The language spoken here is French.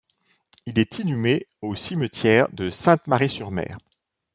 Il est inhumé au cimetière de Sainte-Marie-sur-Mer.